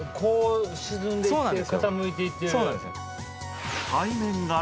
沈んでいって傾いていってる。